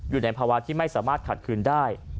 อยู่ในภาวะที่ไม่สามารถขัดคืนได้